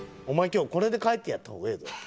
今日これで帰ってやった方がええど。